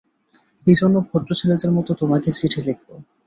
এই জন্য, ভদ্র ছেলেদের মতো তোমাকে চিঠি লিখবো।